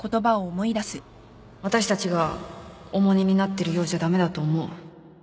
私たちが重荷になってるようじゃ駄目だと思う